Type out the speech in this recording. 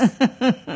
フフフフ。